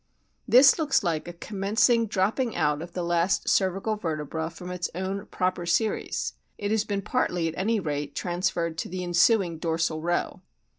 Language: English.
This looks like a commencing dropping out of the last cervical vertebra from its own proper series ; it has been partly, at any rate, transferred to the ensuing dorsal row.